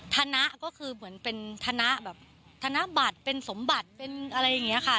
ธนะก็คือเหมือนเป็นธนแบบธนบัตรเป็นสมบัติเป็นอะไรอย่างนี้ค่ะ